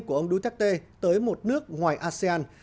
của ông duterte tới một nước ngoài asean